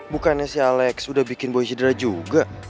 bukannya si alex udah bikin boy cedera juga